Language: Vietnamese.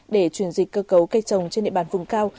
để chuyển dịch cơ cấu cây trồng trên địa bàn vùng cao